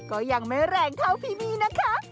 ก็ยังไม่แรงเท่าพี่นะคะ